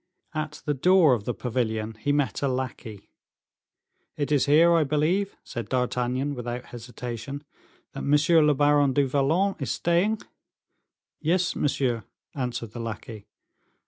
At the door of the pavilion he met a lackey. "It is here, I believe," said D'Artagnan, without hesitation, "that M. le Baron du Vallon is staying?" "Yes, monsieur," answered the lackey.